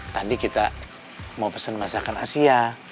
tadi kita mau pesen masakan asia